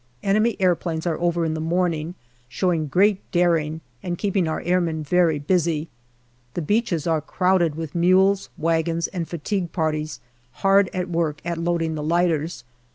Enemy aeroplanes are over in the morning, showing 318 GALLIPOLI DIARY great daring and keeping our airmen very busy. The beaches are crowded with mules, wagons, and fatigue parties hard at work at loading the lighters.